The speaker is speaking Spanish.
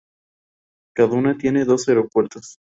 Kaduna tiene dos aeropuertos.